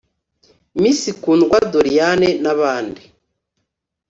Miss Kundwa Doriane n’abandi